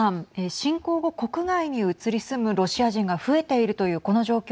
侵攻後、国外に移り住むロシア人が増えているというこの状況